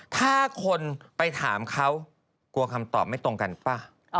ถ้าคนไปถามเขากลัวคำตอบไม่ตรงกันป่ะ